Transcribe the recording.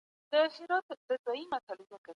ايا د محصولاتو تقاضا بدلون موندلی سي؟